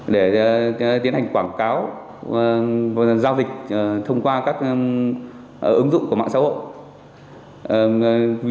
để tiến hành quảng cáo và giao dịch thông qua các ứng dụng của mạng xã hội